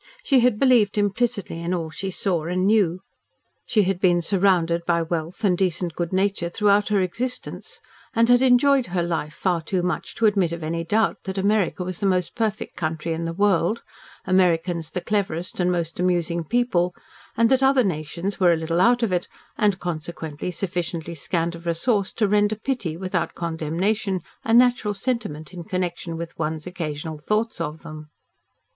She had believed implicitly in all she saw and knew. She had been surrounded by wealth and decent good nature throughout her existence, and had enjoyed her life far too much to admit of any doubt that America was the most perfect country in the world, Americans the cleverest and most amusing people, and that other nations were a little out of it, and consequently sufficiently scant of resource to render pity without condemnation a natural sentiment in connection with one's occasional thoughts of them.